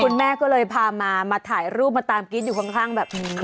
คุณแม่ก็เลยพามามาถ่ายรูปมาตามกรี๊ดอยู่ข้างแบบนี้